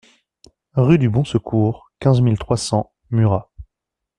Rue du Bon Secours, quinze mille trois cents Murat